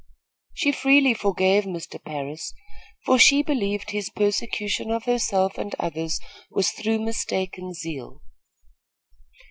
She freely forgave Mr. Parris, for she believed his persecution of herself and others was through mistaken zeal.